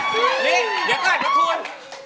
นี่อย่างกันทุกคน